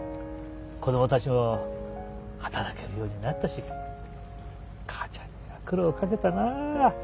子供たちも働けるようになったし母ちゃんには苦労をかけたなあ。